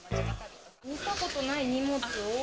見たことない荷物を。